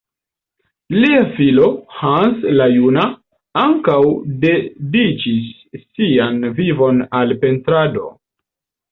Lia filo, Hans la juna, ankaŭ dediĉis sian vivon al pentrado.